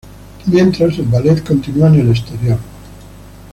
Mientras el Ballet continua en el exterior.